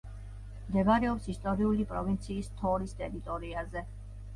მდებარეობს ისტორიული პროვინციის თორის ტერიტორიაზე.